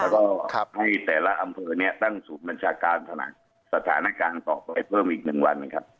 แล้วก็ให้แต่ละอำเภอเนี่ยตั้งศูนย์บัญชาการสถานการณ์ต่อไปเพิ่มอีก๑วันนะครับ